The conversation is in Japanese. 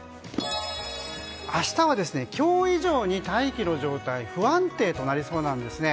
明日は今日以上に大気の状態が不安定になりそうです。